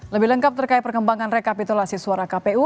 lebih lengkap terkait perkembangan rekapitulasi suara kpu